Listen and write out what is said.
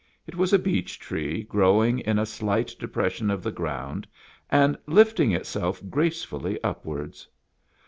It was a beech tree, growing in a slight depression of the ground, and lift ing itself gracefully upwards.